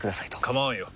構わんよ。